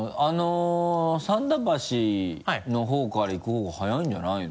参田橋の方から行く方が早いんじゃないの？